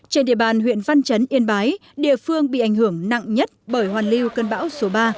trên địa bàn huyện văn chấn yên bái địa phương bị ảnh hưởng nặng nhất bởi hoàn lưu cơn bão số ba